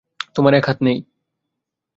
তোমার এক হাত নেই।